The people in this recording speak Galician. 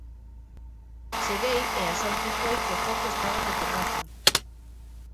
Cheguei e a sorte foi que o foco estaba na terraza.